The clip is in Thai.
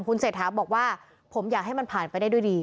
คุณเศรษฐาบอกว่าผมอยากให้มันผ่านไปได้ด้วยดี